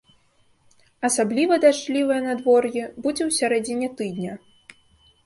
Асабліва дажджлівае надвор'е будзе ў сярэдзіне тыдня.